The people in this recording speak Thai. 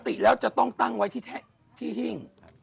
ปกติแล้วจะต้องตั้งไว้ที่หิ้ง